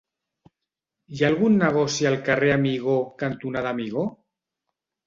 Hi ha algun negoci al carrer Amigó cantonada Amigó?